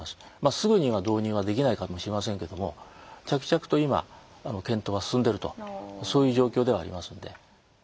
すぐには導入はできないかもしれませんけども着々と今検討は進んでるとそういう状況ではありますんで。